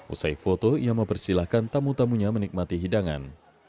usai foto ia mempersilahkan tamu tamunya menikmati hidangan